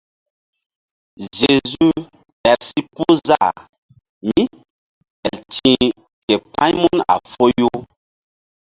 Zezu ɗer si puh zah ke el ti̧h k pa̧ymun a foyu.